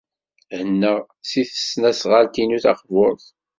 Hennaɣ seg tesnasɣalt-inu taqburt.